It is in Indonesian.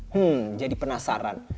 hmm jadi penasaran